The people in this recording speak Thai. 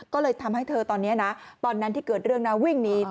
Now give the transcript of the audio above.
ก็เลยทำให้เธอตอนนี้นะตอนนั้นที่เกิดเรื่องนะวิ่งหนี